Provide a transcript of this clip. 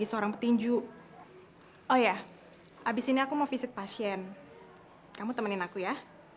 sampai jumpa di video selanjutnya